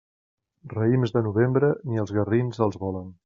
Raïms de novembre, ni els garrins els volen.